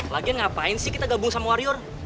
lagian ngapain sih kita gabung sama warrior